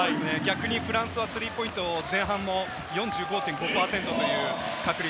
フランスはスリーポイント、前半も４５．５％という確率。